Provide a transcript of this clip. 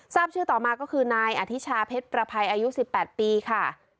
ทราบชื่อต่อมาก็คือนายอธิชาเพชรประภัยอายุ๑๘ปีค่ะ